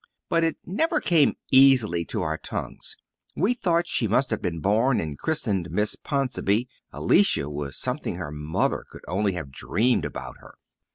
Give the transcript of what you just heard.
But it never came easily to our tongues; we thought she must have been born and christened Miss Ponsonby; "Alicia" was something her mother could only have dreamed about her.